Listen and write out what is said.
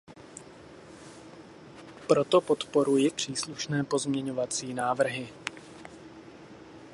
Proto podporuji příslušné pozměňovací návrhy.